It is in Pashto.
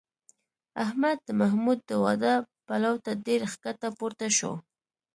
احمد د محمود د واده پلو ته ډېر ښکته پورته شو